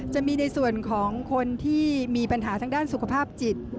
จะมีในส่วนของคนที่มีปัญหาทางด้านสุขภาพจิต